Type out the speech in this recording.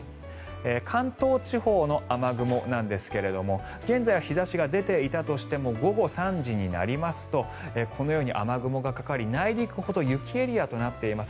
関東地方の雨雲なんですが現在、日差しが出ていたとしても午後３時になりますとこのように雨雲がかかり内陸ほど雪エリアとなっています。